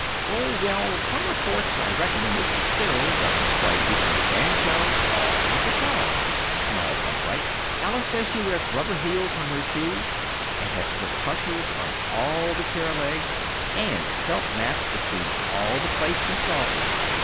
"Oh, well, from reports I reckon Mrs. Cyril doesn't play either a banjo or a guitar," smiled Arkwright. "Alice says she wears rubber heels on her shoes, and has put hushers on all the chair legs, and felt mats between all the plates and saucers.